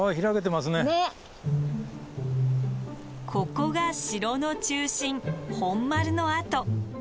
ここが城の中心本丸の跡。